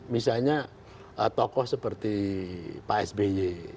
misalnya tokoh seperti pak sby